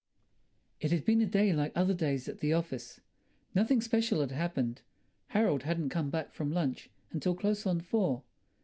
It had been a day like other days at the office. Nothing special had happened. Harold hadn't come back from lunch until close on four.